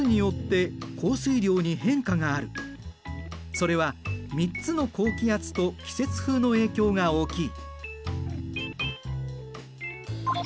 それは３つの高気圧と季節風の影響が大きい。